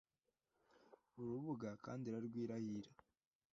urubuga kandi irarwirahira